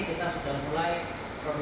kita sudah mulai produksi